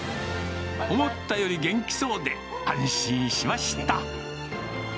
思ったより元気そうで安心しました。